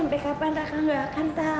sampai kapan raka gak akan tahu